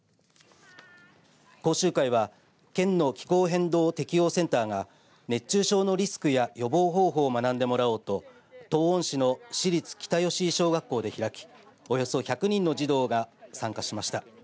講習会は、県の気候変動適応センターが熱中症のリスクや予防方法を学んでもらおうと東温市の市立北吉井小学校で開きおよそ１００人の児童らが参加しました。